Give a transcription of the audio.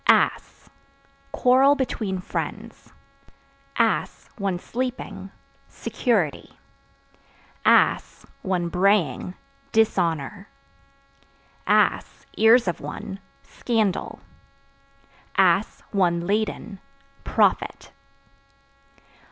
Ass Quarrel between friends; (one sleeping) security; (one braying) dishonor; (ears of one) scandal; (one laden) profit.